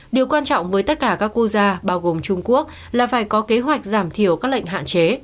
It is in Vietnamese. điều quan trọng với tất cả các quốc gia bao gồm trung quốc là phải có kế hoạch giảm thiểu các lệnh hạn chế